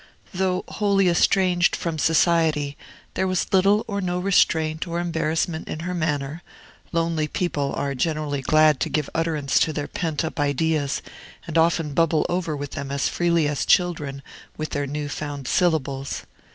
Though wholly estranged from society, there was little or no restraint or embarrassment in her manner: lonely people are generally glad to give utterance to their pent up ideas, and often bubble over with them as freely as children with their new found syllables.